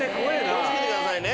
気を付けてくださいね。